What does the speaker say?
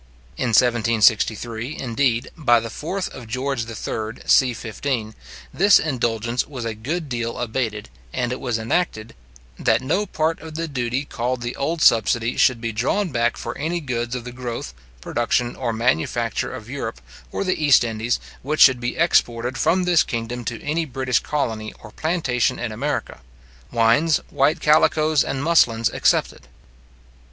In 1763, indeed, by the 4th of Geo. III. c. 15, this indulgence was a good deal abated, and it was enacted, "That no part of the duty called the old subsidy should be drawn back for any goods of the growth, production, or manufacture of Europe or the East Indies, which should be exported from this kingdom to any British colony or plantation in America; wines, white calicoes, and muslins, excepted."